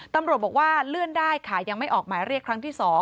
ตำรวจบอกว่าเลื่อนได้ค่ะยังไม่ออกหมายเรียกครั้งที่๒